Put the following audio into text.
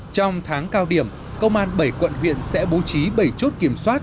trong tháng cao điểm công an bảy quận huyện sẽ bố trí bảy chốt kiểm soát